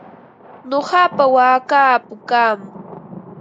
Nuqapa waakaa pukam.